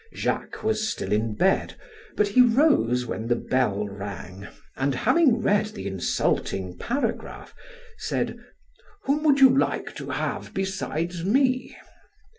Jacques was still in bed, but he rose when the bell rang, and having read the insulting paragraph, said: "Whom would you like to have besides me?"